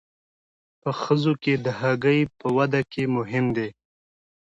په ښځو کې د هګۍ په وده کې مهم دی.